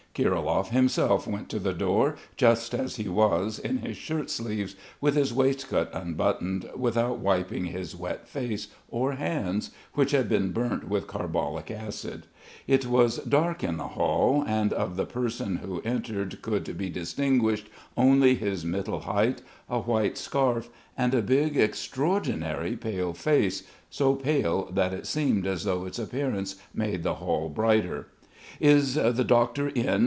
Kirilov himself went to the door, just as he was, in his shirt sleeves with his waistcoat unbuttoned, without wiping his wet face or hands, which had been burnt with carbolic acid. It was dark in the hall, and of the person who entered could be distinguished only his middle height, a white scarf and a big, extraordinarily pale face, so pale that it seemed as though its appearance made the hall brighter.... "Is the doctor in?"